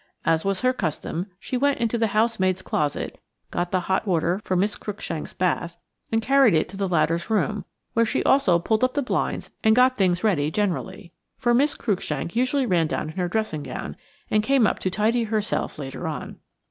As was her custom, she went into the housemaid's closet, got the hot water for Miss Cruikshank's bath, and carried it to the latter's room, where she also pulled up the blinds and got things ready generally. For Miss Cruikshank usually ran down in her dressing gown, and came up to tidy herself later on.